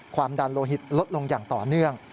ความดันโลหิตลดลงอย่างต่อเนื่อง